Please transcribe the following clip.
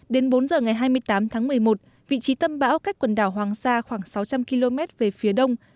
đến bốn h ngày hai mươi tám tháng một mươi một vị trí tâm bão cách quần đảo hoàng sa khoảng sáu trăm linh km về phía đông